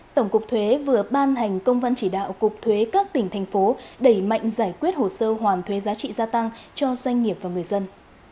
tổng cục thuế vừa ban hành công văn chỉ đạo cục thuế các tỉnh thành phố đẩy mạnh giải quyết hồ sơ hoàn thuế giá trị gia tăng cho doanh nghiệp và người dân